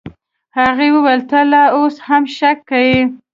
هغه وويل ته لا اوس هم شک کيې.